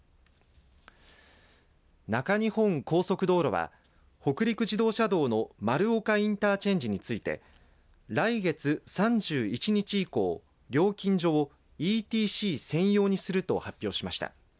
中日本高速道路は北陸自動車道の丸岡インターチェンジについて来月３１日以降料金所をＥＴＣ専用にすると発表しました。